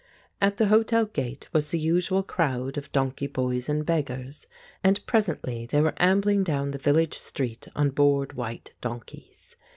At the hotel gate was the usual crowd of donkey boys and beggars, and presently they were ambling down the village street on bored white donkeys.